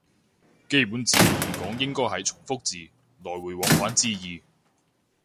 基本字義嚟講應該係從復字，來回往返之意